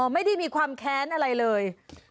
ไม่ได้มีความแค้นอะไรเลย